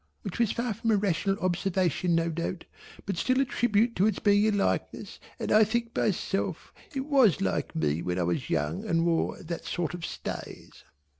which was far from a rational observation no doubt but still a tribute to its being a likeness, and I think myself it was like me when I was young and wore that sort of stays.